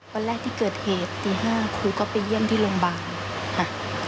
วันแรกที่เกิดเหตุตี๕ครูก็ไปเยี่ยมที่โรงพยาบาลค่ะ